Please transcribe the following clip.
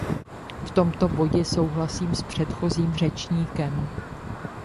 V tomto bodě souhlasím s předchozím řečníkem.